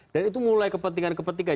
itu mulai kepentingan kepentingan